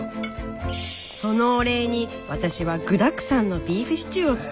そのお礼に私は具だくさんのビーフシチューを作りました。